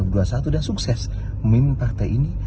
dan sukses memimpin partai ini